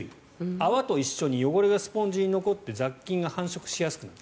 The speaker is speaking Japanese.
泡と一緒に汚れがスポンジに残って雑菌が繁殖しやすくなる。